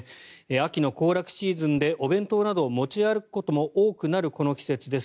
秋の行楽シーズンでお弁当などを持ち歩くことも多くなるこの季節です。